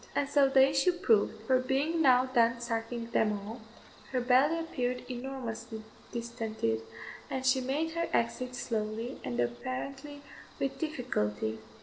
And so the issue proved; for being now done sucking them all, her belly appeared enormously distended, and she made her exit slowly and apparently with difficulty.